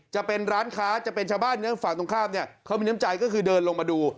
จะเป็นร้านค้าจะเป็นชาวบ้านเนื้อฝั่งตรงข้ามเนี่ยเขามีน้ำใจก็คือเดินลงมาดู